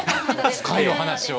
深いお話を。